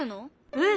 うん！